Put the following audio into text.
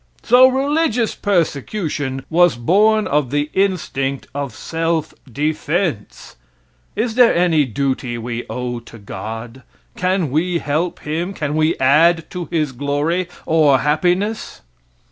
So religious persecution was born of the instinct of self defense. Is there any duty we owe to God? Can we help him, can we add to his glory or happiness?